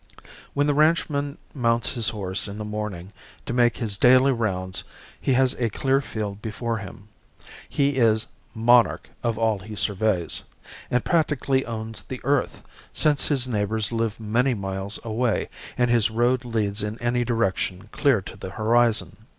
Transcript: When the ranchman mounts his horse in the morning to make his daily rounds he has a clear field before him. He is "monarch of all he surveys" and practically owns the earth, since his neighbors live many miles away and his road leads in any direction clear to the horizon.